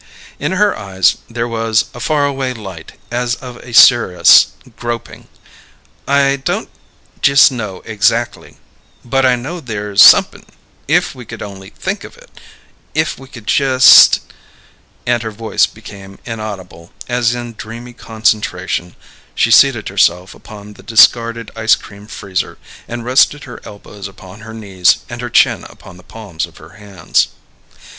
In her eyes there was a far away light as of a seeress groping. "I don't just know exackly, but I know there's somep'n if we could only think of it if we could just " And her voice became inaudible, as in dreamy concentration she seated herself upon the discarded ice cream freezer, and rested her elbows upon her knees and her chin upon the palms of her hands.